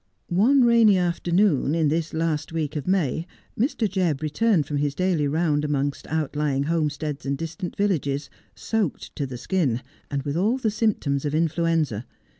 One rainy afternoon in this last week of May, Mr. Jebb re turned from his daily round amongst outlying homesteads and distant villages, soaked to the skin, and with all the symptoms of influenza.